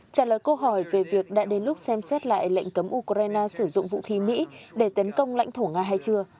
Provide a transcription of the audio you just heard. trả lời câu hỏi về việc đã đến lúc xem xét lại lệnh cấm ukraine sử dụng vũ khí mỹ để tấn công lãnh thổ nga hay chưa